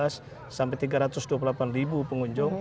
sampai tiga ratus dua puluh delapan pengunjung